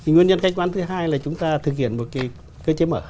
nguyên nhân khách quan thứ hai là chúng ta thực hiện một cơ chế mở